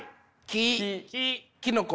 きのこ！？